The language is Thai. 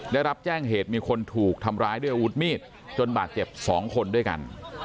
ได้รับแจ้งเหตุมีคนถูกทำร้ายด้วยอาวุธมีดจนบาดเจ็บ๒คนด้วยกัน